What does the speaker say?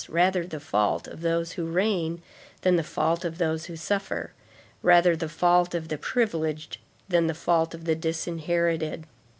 rather the fault of those who reign than the fault of those who suffer; rather the fault of the privileged than the fault of the disinherited.